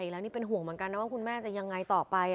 แล้วนี่เป็นห่วงเหมือนกันนะว่าคุณแม่จะยังไงต่อไป